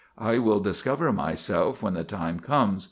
I will discover myself when the time comes.